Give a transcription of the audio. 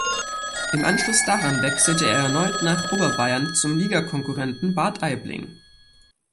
Im Anschluss daran wechselte er erneut nach Oberbayern zum Ligakonkurrenten Bad Aibling.